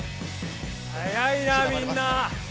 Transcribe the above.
はやいなみんな！